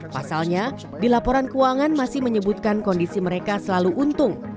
pasalnya di laporan keuangan masih menyebutkan kondisi mereka selalu untung